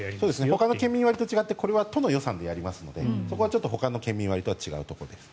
ほかの県民割と違ってこれは都の予算でやりますのでそこはほかの県民割とは違うところです。